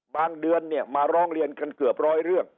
เดือนเนี่ยมาร้องเรียนกันเกือบร้อยเรื่อง